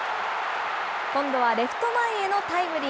今度はレフト前へのタイムリー。